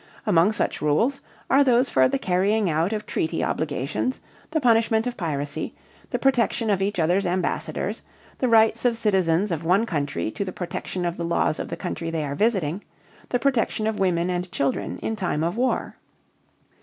Among such rules are those for the carrying out of treaty obligations, the punishment of piracy, the protection of each other's ambassadors, the rights of citizens of one country to the protection of the laws of the country they are visiting, the protection of women and children in time of war.